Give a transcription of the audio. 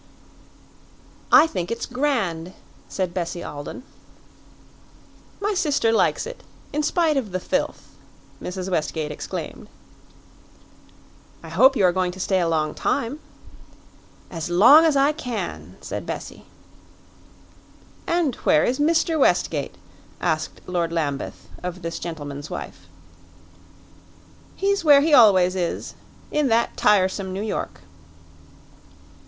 "I think it's grand," said Bessie Alden. "My sister likes it, in spite of the 'filth'!" Mrs. Westgate exclaimed. "I hope you are going to stay a long time." "As long as I can," said Bessie. "And where is Mr. Westgate?" asked Lord Lambeth of this gentleman's wife. "He's where he always is in that tiresome New York."